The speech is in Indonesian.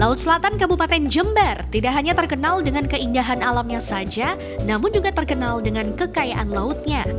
laut selatan kabupaten jember tidak hanya terkenal dengan keindahan alamnya saja namun juga terkenal dengan kekayaan lautnya